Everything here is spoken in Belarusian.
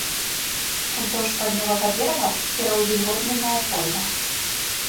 Уздоўж паўднёвага берага пераўвільготненая пойма.